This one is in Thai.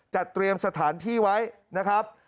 จะเตรียมสถานที่ไว้นะครับ